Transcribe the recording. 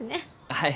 はい。